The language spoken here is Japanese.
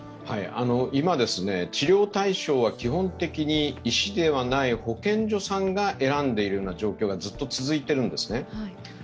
今、治療対象は基本的に医師ではない保健所さんが選んでいるような状況がずっと続いているんですね。